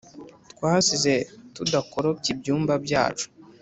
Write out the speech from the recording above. Twasize tudakoropye ibyumba byacu